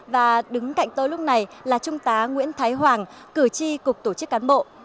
và đứng cạnh tôi lúc này là trung tá nguyễn thái hoàng cử tri cục tổ chức cán bộ